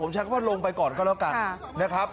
ใช้คำว่าลงไปก่อนก็แล้วกันนะครับ